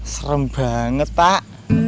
serem banget pak